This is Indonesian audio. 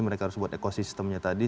mereka harus buat ekosistemnya tadi